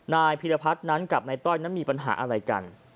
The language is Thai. พีรพัฒน์นั้นกับนายต้อยนั้นมีปัญหาอะไรกัน